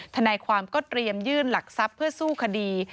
ทนายความก็เตรียมยื่นหลักทรัพย์เพื่อสู้คดี